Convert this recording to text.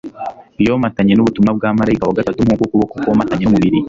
yomatanye n'ubutumwa bwa marayika wa gatatu nk'uko ukuboko komatanye n'umubiri